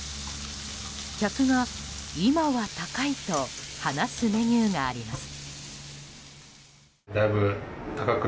客が、今は高いと話すメニューがあります。